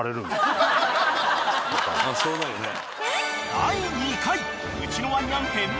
［第２回］